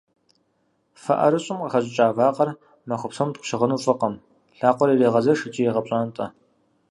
Фэ ӏэрыщӏым къыхэщӏыкӏа вакъэр махуэ псом пщыгъыну фӏыкъым, лъакъуэр ирегъэзэш икӏи егъэпщӏантӏэ.